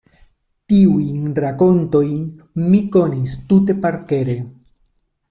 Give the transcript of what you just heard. Tiujn rakontojn mi konis tute parkere.